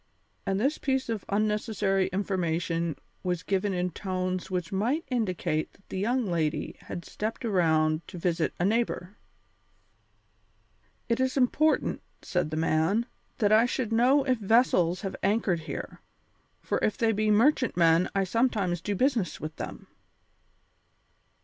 And this piece of unnecessary information was given in tones which might indicate that the young lady had stepped around to visit a neighbour. "It is important," said the man, "that I should know if vessels have anchored here, for if they be merchantmen I sometimes do business with them."